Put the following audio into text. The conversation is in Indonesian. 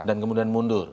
dan kemudian mundur